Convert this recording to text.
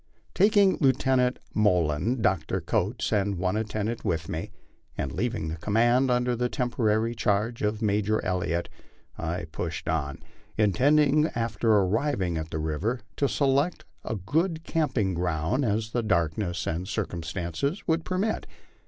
Taking Lieutenant Moylan, Dr. Coates, and one attendant with me, and leaving the command under temporary charge of Major Elliott, I pushed on, intending after arriving at the river to select as good camping ground as the darkness and circumstances would permit.